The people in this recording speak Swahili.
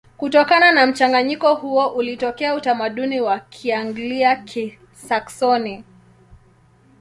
Kutokana na mchanganyiko huo ulitokea utamaduni wa Kianglia-Kisaksoni.